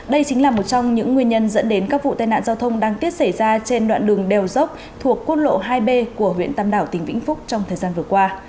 đây chính là một trong những nguyên nhân dẫn đến các vụ tài nạn giao thông đang tiết xảy ra trên đoạn đường đèo dốc thuộc quân lộ hai b của huyện tâm đảo tỉnh vĩnh phúc trong thời gian vừa qua